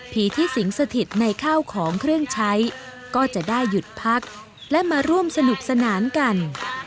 ที่สิงสถิตในข้าวของเครื่องใช้ก็จะได้หยุดพักและมาร่วมสนุกสนานกัน